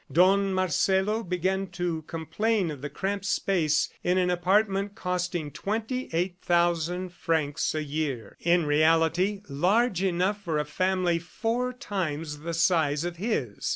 Don Marcelo began to complain of the cramped space in an apartment costing twenty eight thousand francs a year in reality large enough for a family four times the size of his.